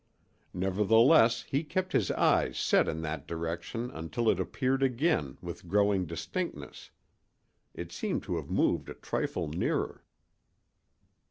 Nevertheless, he kept his eyes set in that direction until it appeared again with growing distinctness. It seemed to have moved a trifle nearer.